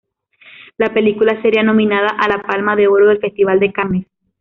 La película sería nominada a la Palma de Oro del Festival de Cannes.